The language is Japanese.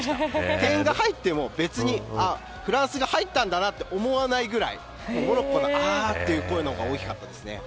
点が入っても、別にフランスが入ったんだなと思わないぐらいモロッコのああという声の方が大きかったですね。